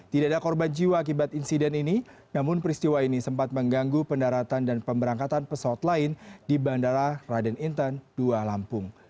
tidak ada korban jiwa akibat insiden ini namun peristiwa ini sempat mengganggu pendaratan dan pemberangkatan pesawat lain di bandara raden intan dua lampung